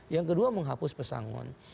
yang kedua menghapus pesangon